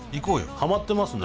ハマってますね。